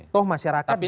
toh masyarakat juga